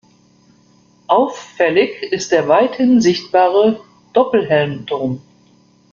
Auffällig ist der weithin sichtbare Doppelhelm-Turm.